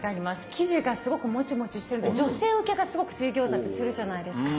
生地がすごくもちもちしてるから女性受けがすごく水餃子ってするじゃないですか。